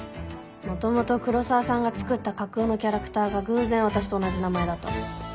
元々黒澤さんが作った架空のキャラクターが偶然私と同じ名前だったの。